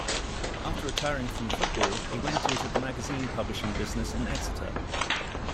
After retiring from football, he went into the magazine publishing business in Exeter.